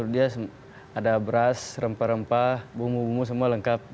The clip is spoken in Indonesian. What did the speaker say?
dia ada beras rempah rempah bumbu bumbu semua lengkap